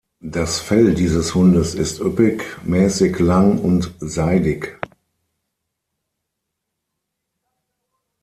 Das Fell dieses Hundes ist üppig, mäßig lang und seidig.